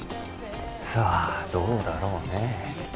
さあどうだろうね